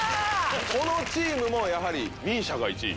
このチームもやはりＭＩＳＩＡが１位。